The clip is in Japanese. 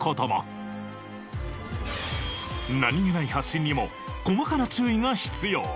何げない発信にも細かな注意が必要。